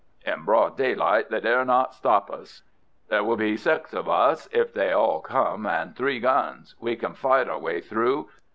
"In broad daylight they dare not stop us. There will be six of us, if they all come, and three guns. We can fight our way through.